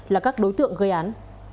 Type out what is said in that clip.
là các đối tượng gây án